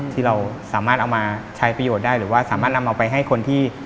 ที่เราสามารถเอามาใช้ประโยชน์ได้หรือว่าสามารถนำเอาไปให้คนที่